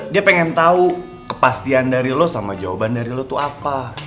dia pengen tahu kepastian dari lo sama jawaban dari lo tuh apa